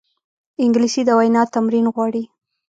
انګلیسي د وینا تمرین غواړي